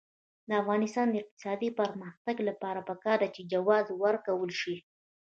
د افغانستان د اقتصادي پرمختګ لپاره پکار ده چې جواز ورکول شي.